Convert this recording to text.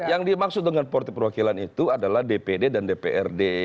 yang dimaksud dengan politik perwakilan itu adalah dpd dan dprd